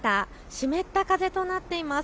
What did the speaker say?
湿った風となっています。